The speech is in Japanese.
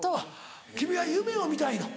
君は夢を見たいの？